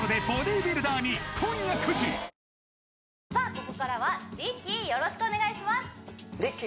ここからはＲＩＣＫＥＹよろしくお願いします